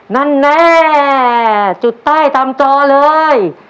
นั่นแน่จุดใต้ตามจอเลย